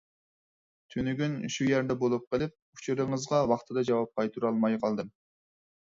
تۈنۈگۈن شۇ يەردە بولۇپ قېلىپ، ئۇچۇرىڭىزغا ۋاقتىدا جاۋاب قايتۇرالماي قالدىم.